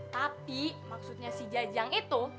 tapi maksudnya si jajang itu